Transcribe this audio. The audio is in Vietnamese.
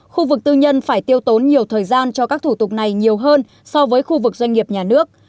khu vực tư nhân phải tiêu tốn nhiều thời gian cho các thủ tục này nhiều hơn so với khu vực doanh nghiệp nhà nước